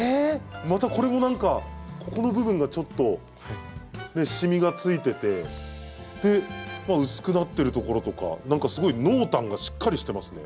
またこれも何かここの部分がちょっとでまあ薄くなってるところとか何かすごい濃淡がしっかりしてますね。